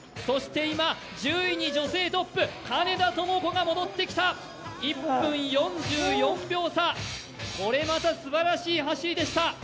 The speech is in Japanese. そして今、１０位に女性トップ、金田朋子が戻ってきた、１分４４秒差、これまたすばらしい走りでした。